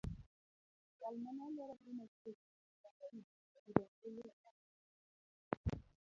Jal mane olerogo machiegni Bangaini oyudo ombulu atamalo aboro.